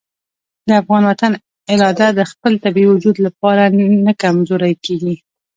د افغان وطن اراده د خپل طبیعي وجود لپاره نه کمزورې کوي.